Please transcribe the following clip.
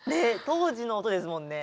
当時の音ですもんね。